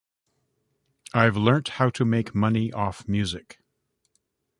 I've learnt how to make money off music.